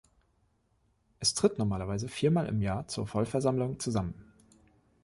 Es tritt normalerweise viermal im Jahr zur Vollversammlung zusammen.